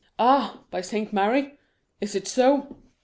"Aha! by Saint Mary, is it so?"